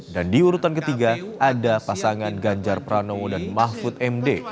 dan di urutan ketiga ada pasangan ganjar pranowo dan mahfud md